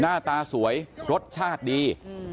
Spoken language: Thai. หน้าตาสวยรสชาติดี